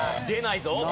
出ないぞ。